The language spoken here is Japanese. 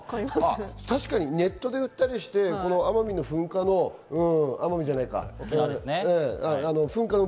ネットで売ったりして奄美の噴火の、奄美じゃないか。